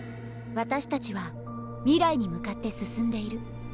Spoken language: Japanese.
私たちは未来に向かって進んでいる。